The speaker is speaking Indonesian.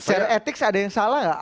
secara etik ada yang salah nggak